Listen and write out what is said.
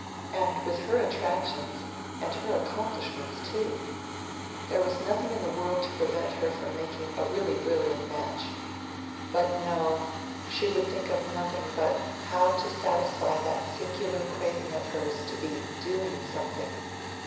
And with her attractions, and her accomplishments, too! There was nothing in the world to prevent her making a really brilliant match. But no! She would think of nothing but how to satisfy that singular craving of hers to be DOING something.